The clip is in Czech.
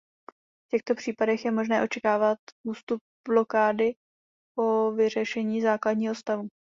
V těchto případech je možné očekávat ústup blokády po vyřešení základního stavu.